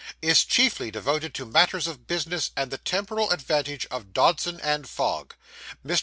IS CHIEFLY DEVOTED TO MATTERS OF BUSINESS, AND THE TEMPORAL ADVANTAGE OF DODSON AND FOGG MR.